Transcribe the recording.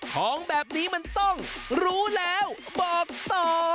ของแบบนี้มันต้องรู้แล้วบอกต่อ